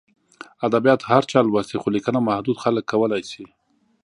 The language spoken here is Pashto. ادبیات هر چا لوستي، خو لیکنه محدود خلک کولای شي.